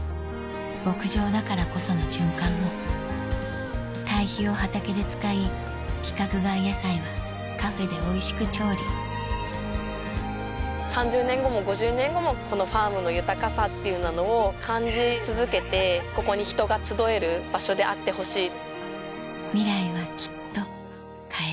牧場だからこその循環も堆肥を畑で使い規格外野菜はカフェでおいしく調理３０年後も５０年後もこのファームの豊かさっていうのを感じ続けてここに人が集える場所であってほしい。